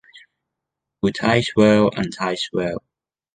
Who ties well, unties well.